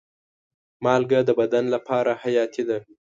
مالګه د بدن لپاره حیاتي ده.